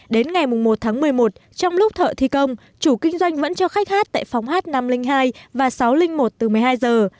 đến ngày một tháng một mươi một trong lúc thợ thi công chủ kinh doanh vẫn cho khách hát tại phòng h năm trăm linh hai và sáu trăm linh một từ một mươi hai giờ